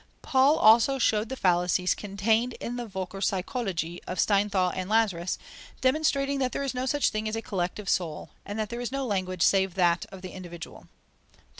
Paul also showed the fallacies contained in the Völkerpsychologie of Steinthal and Lazarus, demonstrating that there is no such thing as a collective soul, and that there is no language save that of the individual.